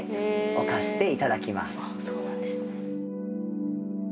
あっそうなんですね。